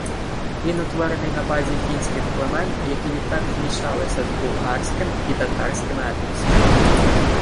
Він утворений на базі фінських племен, які відтак змішалися з булгарським і татарським етносами